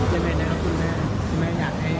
ได้ไหมนะคุณแม่